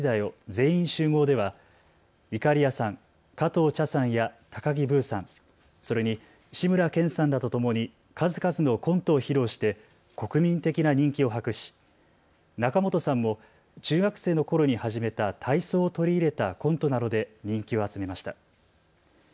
全員集合ではいかりやさん、加藤茶さんや高木ブーさん、それに志村けんさんらとともに数々のコントを披露して国民的な人気を博し仲本さんも中学生のころに始めた体操を取り入れたコントなどで人気を集めました。